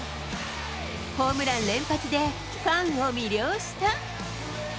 ホームラン連発で、ファンを魅了した。